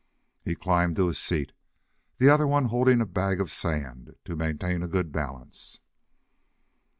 He climbed to his seat, the other one holding a bag of sand to maintain a good balance.